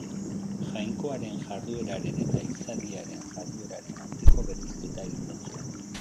Jainkoaren jardueraren eta izadiaren jardueraren arteko bereizketa egiten zuen.